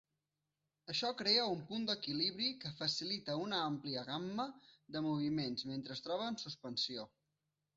Això crea un punt d'equilibri que facilita una àmplia gamma de moviments mentre es troba en suspensió.